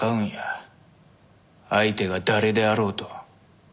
相手が誰であろうと。